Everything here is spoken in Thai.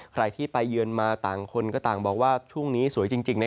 ใครที่ไปเยือนมาต่างคนก็ต่างบอกว่าช่วงนี้สวยจริง